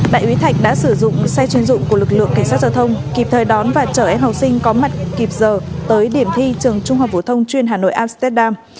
đại úy thạch đã sử dụng xe chuyên dụng của lực lượng cảnh sát giao thông kịp thời đón và chở em học sinh có mặt kịp giờ tới điểm thi trường trung học phổ thông chuyên hà nội amsterdam